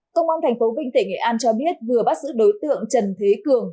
công an tp vinh tỉnh nghệ an cho biết vừa bắt giữ đối tượng trần thế cường